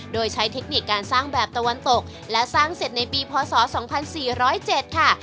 โดยใช้เทคนิคการสร้างแบบตะวันตกและสร้างเสร็จในปีพศ๒๔๐๗ค่ะ